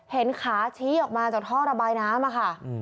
เห็นขาชี้ออกมาจากท่อระบายน้ำค่ะ